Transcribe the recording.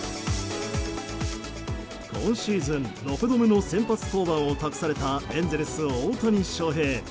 今シーズン６度目の先発登板を託されたエンゼルス大谷翔平。